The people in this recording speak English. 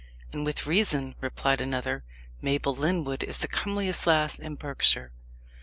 "And with reason," replied another. "Mabel Lyndwood is the comeliest lass in Berkshire."